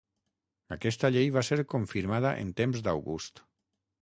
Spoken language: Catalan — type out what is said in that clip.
Aquesta llei va ser confirmada en temps d'August.